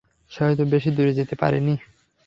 সে হয়তো বেশি দুরে যেতে পারেনি!